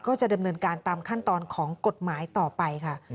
ก็จะดำเนินการตามขั้นตอนของกฎหมายต่อไปค่ะ